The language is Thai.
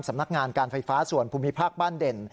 สำนักงานการไฟฟ้าส่วนภูมิภาคบ้านเด่น